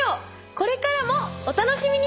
これからもお楽しみに！